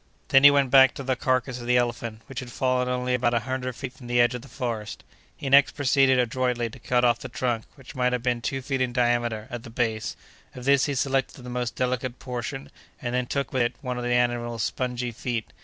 Then he went back to the carcass of the elephant, which had fallen only about a hundred feet from the edge of the forest; he next proceeded adroitly to cut off the trunk, which might have been two feet in diameter at the base; of this he selected the most delicate portion, and then took with it one of the animal's spongy feet.